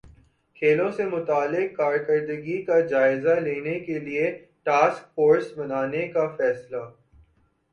کھیلوں سے متعلق کارکردگی کا جائزہ لینے کیلئے ٹاسک فورس بنانے کا فیصلہ